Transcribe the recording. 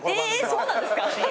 えそうなんですか？